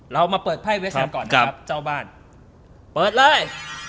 เรามาเปิดไพ่เวสกันก่อนนะครับเจ้าบ้านเปิดเลย